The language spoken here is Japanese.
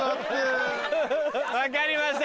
分かりました